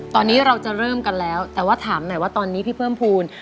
ตอนนี้เราจะเริ่มกันแล้วแต่ว่าถามหน่อยว่าตอนนี้พี่เพิ่มภูมิ